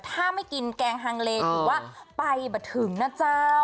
ถ้าไม่กินแกงฮังเลถือว่าไปมาถึงนะเจ้า